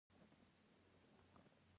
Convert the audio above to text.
بوټونه که زاړه شي، د سپي ډوډۍ کېږي.